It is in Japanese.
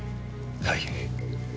はい。